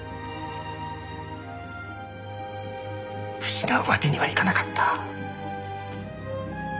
失うわけにはいかなかった。